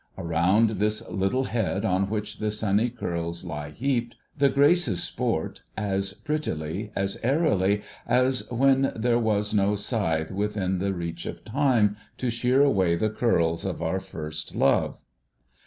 Around this litde head on which the sunny curls lie heaped, the graces sport, as prettily, as airily, as when there NOTHING SHUT OUT 2t was no scythe within the reach of Time to shear away the curls of our first love.